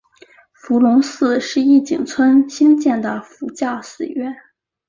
伏龙寺是义井村兴建的佛教寺院。